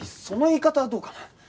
その言い方はどうかな？